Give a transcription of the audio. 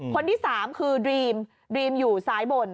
คนที่สามคือดรีมดรีมอยู่ซ้ายบน